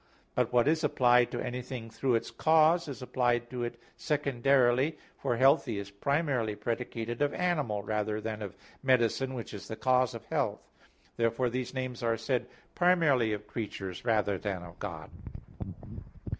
But what is applied to anything through its cause, is applied to it secondarily, for "healthy" is primarily predicated of animal rather than of medicine, which is the cause of health. Therefore these names are said primarily of creatures rather than of God.